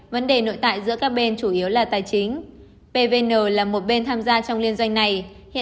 vấn đề nội tại giữa các bên chủ yếu là tài chính